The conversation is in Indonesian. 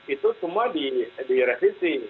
itu semua di resipi